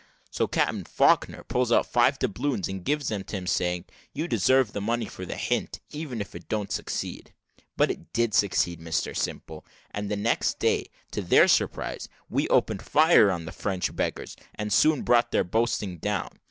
So Captain Faulkner pulls out five doubloons, and gives them to him, saying, `You deserve the money for the hint, even if it don't succeed.' But it did succeed, Mr Simple; and the next day, to their surprise, we opened fire on the French beggars, and soon brought their boasting down.